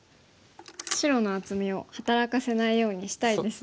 白の厚みを働かせないようにしたいですね。